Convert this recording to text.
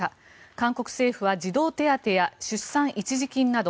韓国政府は児童手当や出産一時金など